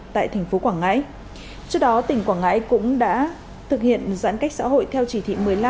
tại thành phố quảng ngãi trước đó tỉnh quảng ngãi cũng đã thực hiện giãn cách xã hội theo chỉ thị một mươi năm